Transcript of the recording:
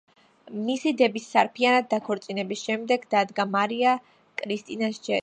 მისი დების სარფიანად დაქორწინების შემდეგ დადგა მარია კრისტინას ჯერიც.